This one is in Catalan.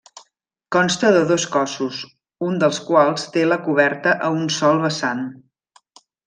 Consta de dos cossos, un dels quals té la coberta a un sol vessant.